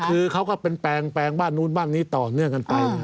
คือเขาก็เป็นแปลงบ้านนู้นบ้านนี้ต่อเนื่องกันไป